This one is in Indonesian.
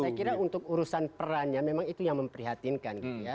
saya kira untuk urusan perannya memang itu yang memprihatinkan